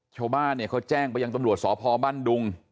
ชาวบ้านเนี่ยเขาแจ้งไปยังตำรวจสพบ้านดุง